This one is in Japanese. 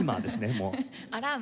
もう。